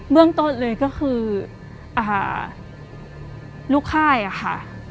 เรื่องต้นเลยก็คือลูกค่ายค่ะ